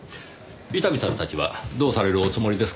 伊丹さんたちはどうされるおつもりですか？